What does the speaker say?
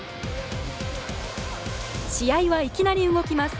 試合は、いきなり動きます。